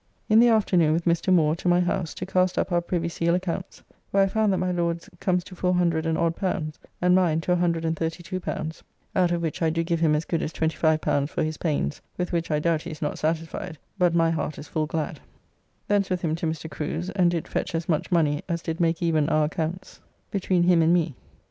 In the afternoon with Mr. Moore to my house to cast up our Privy Seal accounts, where I found that my Lord's comes to 400 and odd pounds, and mine to L132, out of which I do give him as good as L25 for his pains, with which I doubt he is not satisfied, but my heart is full glad. Thence with him to Mr. Crew's, and did fetch as much money as did make even our accounts between him and me.